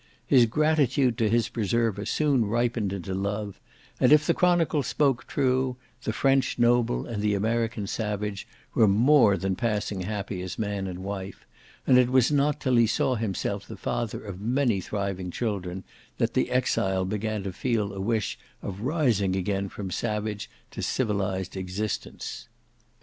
His gratitude to his preserver soon ripened into love, and if the chronicle spoke true, the French noble and the American savage were more than passing happy as man and wife, and it was not till he saw himself the father of many thriving children that the exile began to feel a wish of rising again from savage to civilized existence.